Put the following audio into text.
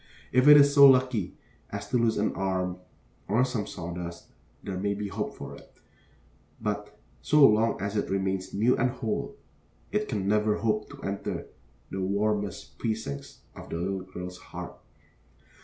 If it is so lucky as to lose an arm or some sawdust, there may be hope for it; but so long as it remains new and whole, it can never hope to enter the warmest precincts of the little girl's heart.